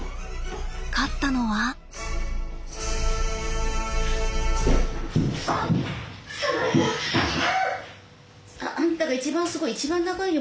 勝ったのは？あんたが一番すごい一番長いよ